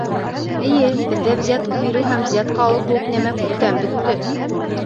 Эйе, беҙҙә взятка биреү һәм взятка алыу кеүек нәмә күптән бөттө!